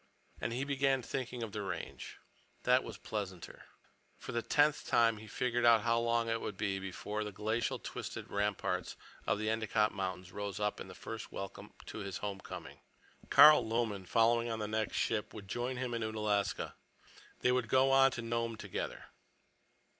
And he began thinking of the Range. That was pleasanter. For the tenth time he figured out how long it would be before the glacial twisted ramparts of the Endicott Mountains rose up in first welcome to his home coming. Carl Lomen, following on the next ship, would join him at Unalaska. They would go on to Nome together.